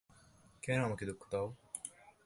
কেন আমাকে দুঃখ দাও।